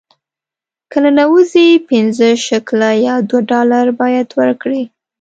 که ننوځې پنځه شکله یا دوه ډالره باید ورکړې.